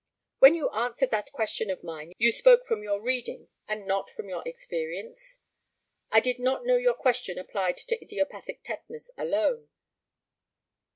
When you answered that question of mine you spoke from your reading, and not from your experience? I did not know your question applied to idiopathic tetanus alone.